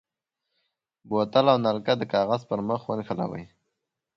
بوتل او نلکه د کارتن کاغذ پر مخ ونښلوئ.